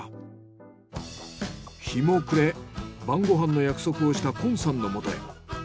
日も暮れ晩ご飯の約束をした近さんのもとへ。